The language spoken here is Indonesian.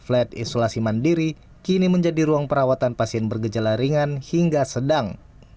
flat isolasi mandiri kini menjadi ruang perawatan pasien bergejala ringan hingga sedang